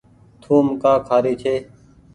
ٿوم ڪآ کآري ڇي۔